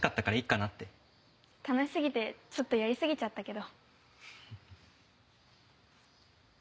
楽しすぎてちょっとやりすぎちゃったけど。